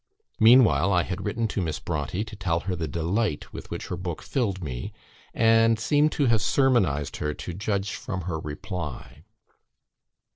Meanwhile I had written to Miss Brontë to tell her the delight with which her book filled me; and seem to have sermonised her, to judge from her reply."